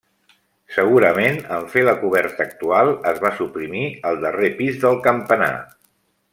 Segurament en fer la coberta actual es va suprimir el darrer pis del campanar.